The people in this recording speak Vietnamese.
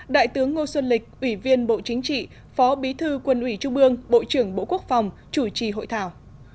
đại tướng ngô xuân lịch ủy viên bộ chính trị phó bí thư quân ủy trung ương bộ trưởng bộ quốc phòng chủ trì hội thảo